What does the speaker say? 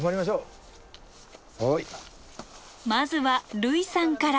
まずは類さんから。